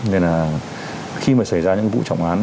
nên là khi mà xảy ra những vụ trọng án